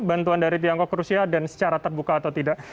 bantuan dari tiongkok ke rusia dan secara terbuka atau tidak